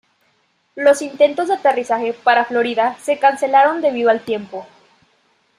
Los intentos de aterrizaje para Florida se cancelaron debido al tiempo.